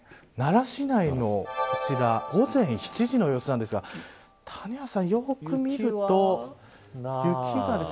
奈良市内のこちら午前７時の様子ですが谷原さん、よく見ると雪が。